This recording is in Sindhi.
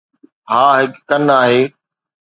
ها، هڪ ڪن آهي